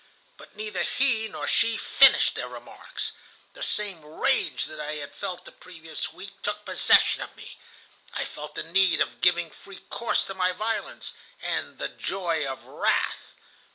"But neither he nor she finished their remarks. The same rage that I had felt the previous week took possession of me. I felt the need of giving free course to my violence and 'the joy of wrath.